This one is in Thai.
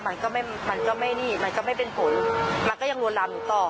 มันก็ไม่มันก็ไม่นี่มันก็ไม่เป็นผลมันก็ยังลวนลามอยู่ต่อ